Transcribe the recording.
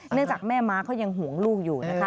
เนื่องจากแม่มาร์คเขายังหวงลูกอยู่นะคะ